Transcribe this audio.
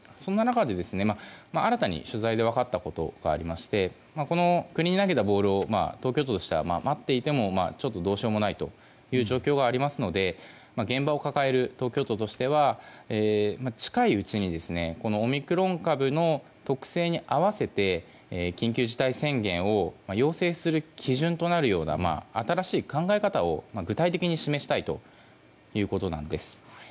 その中で新たに取材で分かったことがありまして国に投げたボールを東京都としては待っていてもちょっとどうしようもないという状況がありますので現場を抱える東京都としては近いうちにオミクロン株の特性に合わせて緊急事態宣言を要請する基準となるような新しい考え方を具体的に示したいということなんです。